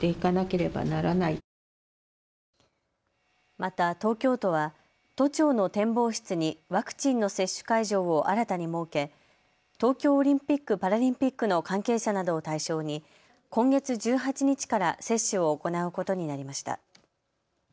また東京都は都庁の展望室にワクチンの接種会場を新たに設け、東京オリンピック・パラリンピックの関係者などを対象に今月１８日から接種を行うことになりました。